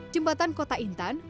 jembatan kota intan